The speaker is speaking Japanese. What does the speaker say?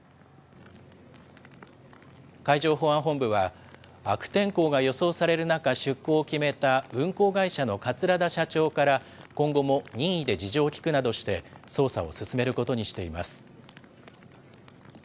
海上保安本部は悪天候が予想される中、出航を決めた運航会社の桂田社長から、今後も任意で事情を聴くなどして、捜査を進めることにしています。